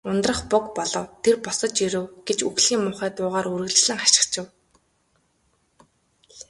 "Ундрах буг болов. Тэр босож ирэв" гэж үхлийн муухай дуугаар үргэлжлэн хашхичив.